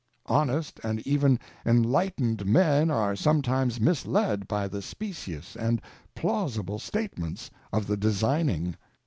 Honest and even enlightened men are sometimes misled by the specious and plausible statements of the designing.